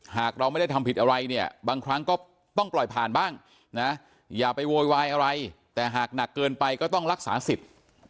หากเราไม่ได้ทำผิดอะไรเนี่ยบางครั้งก็ต้องปล่อยผ่านบ้างนะอย่าไปโวยวายอะไรแต่หากหนักเกินไปก็ต้องรักษาสิทธิ์